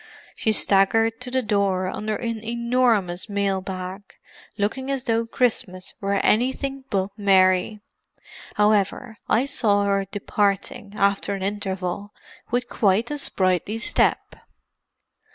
"She staggered to the door under an enormous mail bag, looking as though Christmas were anything but merry. However, I saw her departing, after an interval, with quite a sprightly step."